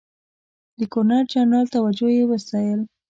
د ګورنرجنرال توجه یې وستایل.